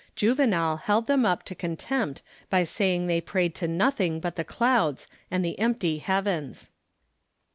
Juvenal held them up to con tempt by saying that they prayed to nothing but the clouds and the empty heavens.